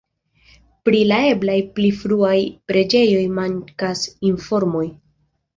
Pri la eblaj pli fruaj preĝejoj mankas informoj.